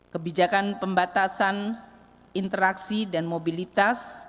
kebijakan pembatasan interaksi dan mobilitas